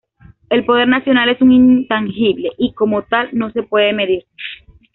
El poder nacional es un intangible y, como tal, no se puede medir.